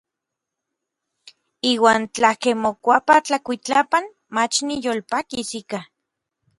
Iuan tlakej mokuapa tlakuitlapan, mach niyolpakis ika.